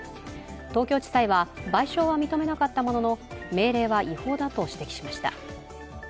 東京地裁は賠償は認めなかったものの命令は違法だと指摘しました。